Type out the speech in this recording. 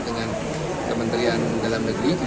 tidak ada korban alhamdulillah